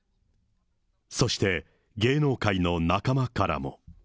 そして、芸能界の仲間からも。